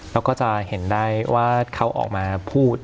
เราก็จะเห็นได้ว่าเขาออกมาพูด